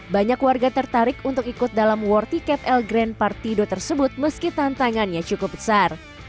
banyak warga tertarik untuk ikut dalam war ticket el grand partido tersebut meski tantangannya cukup besar